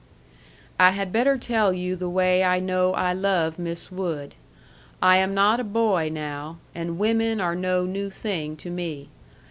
I had better tell you the way I know I love Miss Wood. I am not a boy now, and women are no new thing to me.